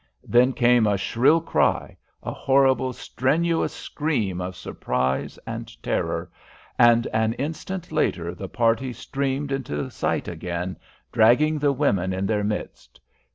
Then came a shrill cry, a horrible, strenuous scream of surprise and terror, and an instant later the party streamed into sight again, dragging the women in their midst.